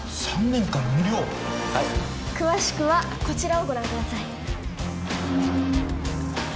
はい詳しくはこちらをご覧ください